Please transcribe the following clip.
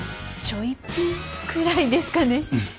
ちょいぴんくらいですかね。